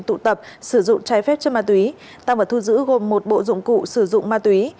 tụ tập sử dụng trái phép chất ma túy tăng vật thu giữ gồm một bộ dụng cụ sử dụng ma túy